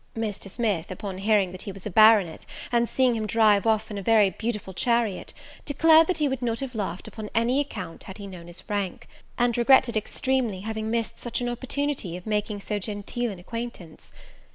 Mr. Smith, upon hearing that he was a baronet, and seeing him drive off in a very beautiful chariot, declared that he would not have laughed upon any account, had he known his rank; and regretted extremely having missed such an opportunity of making so genteel an acquaintance.